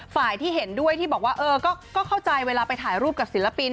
ฝ่ายที่เห็นด้วยที่บอกว่าเออก็เข้าใจเวลาไปถ่ายรูปกับศิลปิน